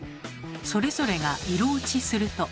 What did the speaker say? それぞれが色落ちすると。